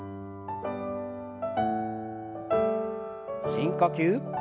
深呼吸。